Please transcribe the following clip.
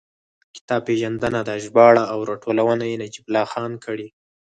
کتاب پېژندنه ده، ژباړه او راټولونه یې نجیب الله خان کړې.